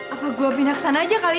apa gue pindah ke sana aja kali ya